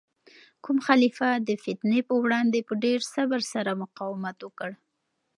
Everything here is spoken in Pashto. کوم خلیفه د فتنې په وړاندې په ډیر صبر سره مقاومت وکړ؟